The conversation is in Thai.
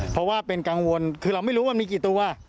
เพราะว่าเป็นกังวลคือเราไม่รู้ว่ามีกี่ตัว